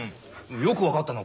よく分かったなここ。